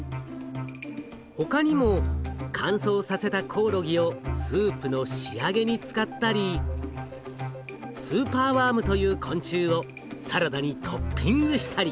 他にも乾燥させたコオロギをスープの仕上げに使ったりスーパーワームという昆虫をサラダにトッピングしたり。